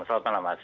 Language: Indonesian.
selamat malam mas